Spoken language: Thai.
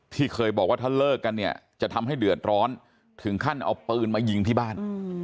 ที่เคยบอกว่าถ้าเลิกกันเนี่ยจะทำให้เดือดร้อนถึงขั้นเอาปืนมายิงที่บ้าน